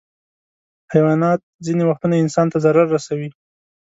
حیوانات ځینې وختونه انسان ته ضرر رسوي.